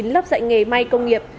năm mươi chín lớp dạy nghề may công nghiệp